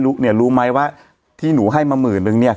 รู้ไหมว่าที่หนูให้มาหมื่นนึงเนี่ย